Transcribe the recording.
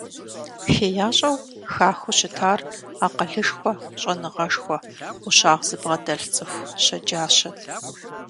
ХеящӀэу хахыу щытар акъылышхуэ, щӀэныгъэшхуэ. Ӏущагъ зыбгъэдэлъ цӀыху щэджащэт.